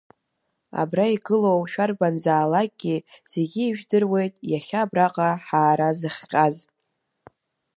Абра игылоу шәарбанзаалакгьы зегьы ижәдыруеит иахьа абраҟа ҳаара зыхҟьаз!